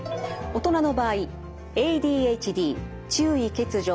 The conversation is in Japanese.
大人の場合ＡＤＨＤ注意欠如